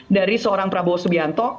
dari seorang prabowo subianto